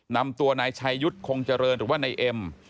นำตัวนายชายุทธ์คงเจริญหรือว่านายเอ็ม